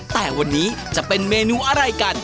แต่วันนี้จะเป็นเมนูอะไรกัน